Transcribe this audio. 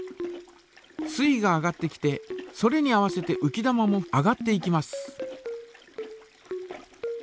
水位が上がってきてそれに合わせてうき玉も上がっていきます。